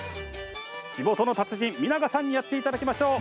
地元の達人・見永さんにやっていただきましょう。